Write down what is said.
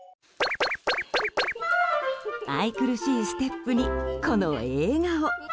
愛くるしいステップにこの笑顔。